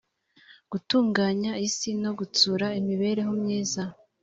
gutunganya isi no gutsura imibereho myiza